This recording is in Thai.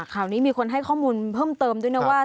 ข่าวนี้มีคนให้ข้อมูลเพิ่มเติมด้วยนะว่า